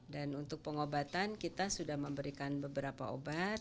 dan untuk pengobatan kita sudah memberikan beberapa obat